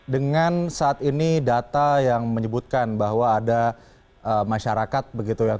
dengan saat ini data yang menyebutkan bahwa ada masyarakat begitu yang